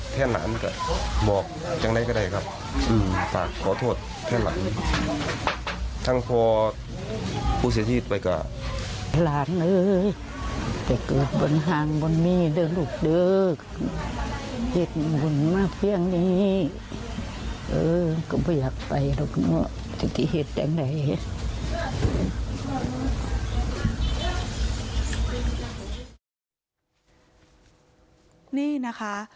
ต้องพอผู้เสียชีวิตไปกว่า